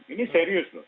ini serius loh